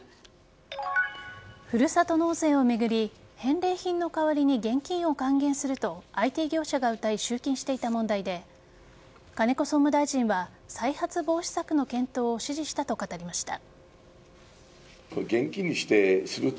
ふるさと納税を巡り返礼品の代わりに現金を還元するとＩＴ業者がうたい集金していた問題で金子総務大臣は再発防止策の検討を指示したと語りました。